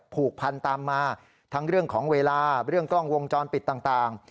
ผูกพันตามมาทั้งเรื่องของเวลาเรื่องกล้องวงจรปิดต่าง